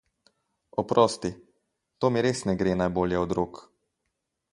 Oprosti, to mi res ne gre najbolje od rok.